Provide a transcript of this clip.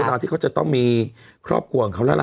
ตอนที่เขาจะต้องมีครอบครัวของเขาแล้วล่ะ